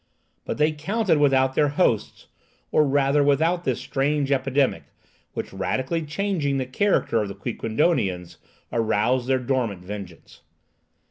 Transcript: But they counted without their hosts, or rather without this strange epidemic, which, radically changing the character of the Quiquendonians, aroused their dormant vengeance.